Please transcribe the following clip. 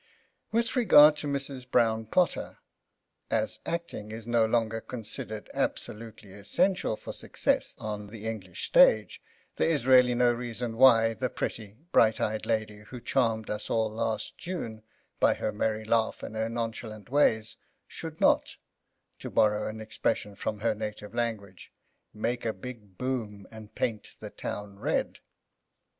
With regard to Mrs. Brown Potter, as acting is no longer considered absolutely essential for success on the English stage, there is really no reason why the pretty bright eyed lady who charmed us all last June by her merry laugh and her nonchalant ways, should not—to borrow an expression from her native language—make a big boom and paint the town red.